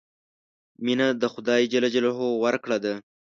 مینه د خدای ورکړه ده.